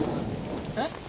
えっ？